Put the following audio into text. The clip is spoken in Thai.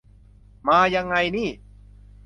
มายังไงหนิ